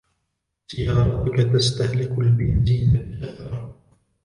سيارتك تستهلك البنزين بكثرة.